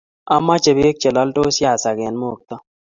Ameche beek che lolsot siasakan mokto